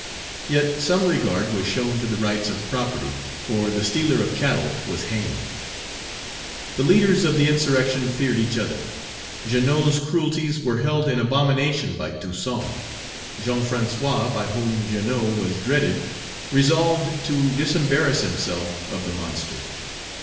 Yet some regard was shown to the rights of property, for the stealer of cattle was hanged. The leaders of the insurrection feared each other. Jeannot's cruelties were held in abomination by Toussaint. Jean François, by whom Jeannot was dreaded, resolved to disembarrass himself of the monster.